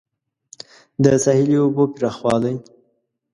د ساحلي اوبو پراخوالی